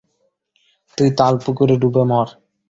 তুই তালপুকুরে ডুবে মর।